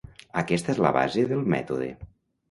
Aquesta és la base del mètode.